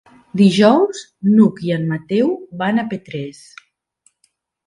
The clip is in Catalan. Dijous n'Hug i en Mateu van a Petrés.